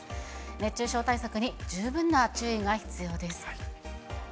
熱中症対策に十分な注意が必要です。